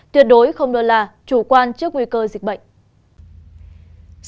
tuyệt đối không lơ là chủ quan trước nguy cơ dịch bệnh